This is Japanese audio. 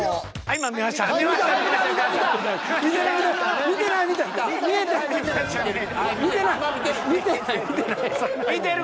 ［今見てる］